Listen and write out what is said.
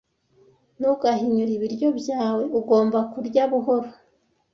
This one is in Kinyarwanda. Ntugahinyure ibiryo byawe. Ugomba kurya buhoro.